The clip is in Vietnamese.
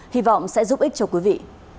hy vọng sẽ giúp ích cho quý vị